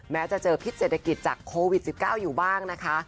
แม้จะเจอพิษเศรษฐกิจจากโควิด๑๙อยู่บ้างนะคะ